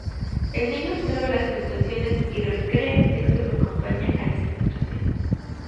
El niño observa las ilustraciones y re-crea el texto que acompaña a esa ilustración.